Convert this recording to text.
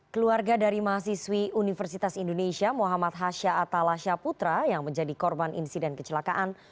keluarga dari mahasiswi universitas indonesia muhammad hasha atalasha putra yang menjadi korban insiden kecelakaan